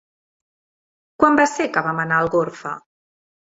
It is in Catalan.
Quan va ser que vam anar a Algorfa?